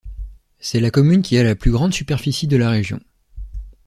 C'est la commune qui a la plus grande superficie de la région.